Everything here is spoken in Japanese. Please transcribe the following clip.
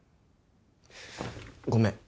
ごめん。